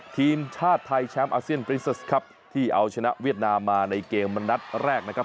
ทีมชาติไทยแชมป์อาเซียนปริเซสครับที่เอาชนะเวียดนามมาในเกมมันนัดแรกนะครับ